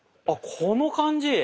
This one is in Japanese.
あこの感じ。